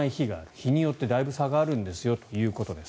日によってだいぶ差があるんですよということです。